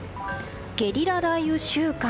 ゲリラ雷雨週間。